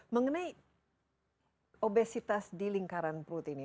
mengenai obesitas di lingkaran perut ini